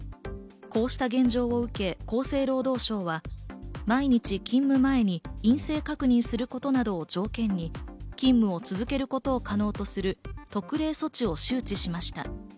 こうした現状を受け、厚生労働省は、毎日、勤務前に陰性確認することなどを条件に勤務を続けることを可能とすると特例措置を周知しました。